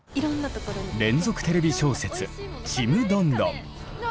連続テレビ小説「ちむどんどん」。